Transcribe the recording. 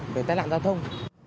về tai nạn giao thông